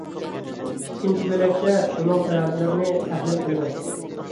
ئىككىنچى بۆلەكتە بۇنىڭ سەۋەبلىرىنى تەھلىل قىلىمەن.